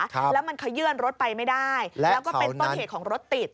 ครับแล้วมันเขยื่นรถไปไม่ได้แล้วก็เป็นต้นเหตุของรถติด